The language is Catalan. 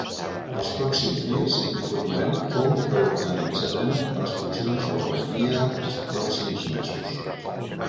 Els pròxims dies informarem com reorganitzarem les funcions de la batllia els pròxims mesos.